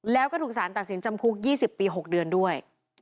แล้วก็ถูกสารตัดสินจำคุก๒๐ปี๖เดือนด้วย